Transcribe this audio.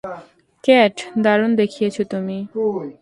Cat, দারুণ দেখিয়েছ তুমি!